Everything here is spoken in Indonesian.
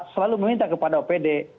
selalu meminta kepada opd